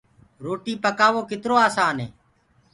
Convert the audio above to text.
روٽيٚ پڪآوو ڪترو آسآني